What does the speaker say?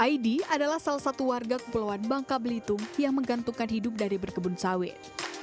aidi adalah salah satu warga kepulauan bangka belitung yang menggantungkan hidup dari berkebun sawit